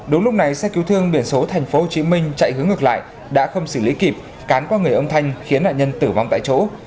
đúng lúc này xe cứu thương biển số tp hcm chạy hướng ngược lại đã không xử lý kịp cán qua người ông thanh khiến nạn nhân tử vong tại chỗ